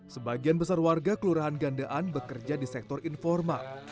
sebagian besar warga kelurahan gandean bekerja di sektor informal